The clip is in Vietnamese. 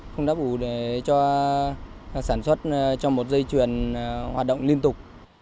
không đáp ứng đủ để cho sản xuất trong một dây chuyền hoạt động liên tục